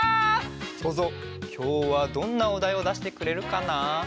そうぞうきょうはどんなおだいをだしてくれるかな？